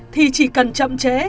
thì chỉ cần chậm chế